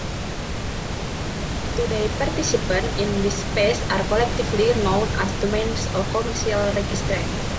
Today participants in this space are collectively known as domainers or 'commercial registrants'.